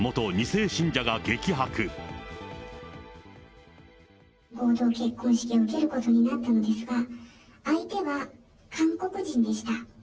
合同結婚式を受けることになったんですが、相手は韓国人でした。